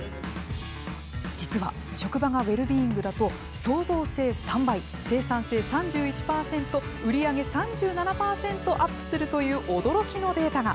実は、職場がウェルビーイングだと創造性は３倍、生産性３１％売上３７％アップするという驚きのデータが。